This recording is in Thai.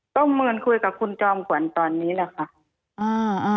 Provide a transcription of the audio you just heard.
ก็เหมือนคุยกับคุณจอมขวัญตอนนี้แหละค่ะ